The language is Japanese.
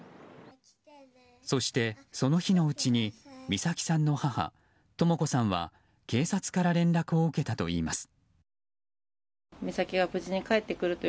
そして、その日のうちに美咲さんの母・とも子さんは警察から連絡を受けたといいます。